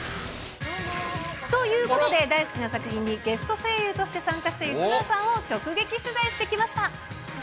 ということで、大好きな作品にゲスト声優として参加した吉沢さんを直撃取材してきました。